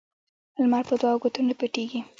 لمرپه دوو ګوتو نه پټيږي